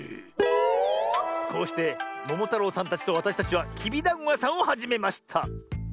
こうしてももたろうさんたちとわたしたちはきびだんごやさんをはじめました。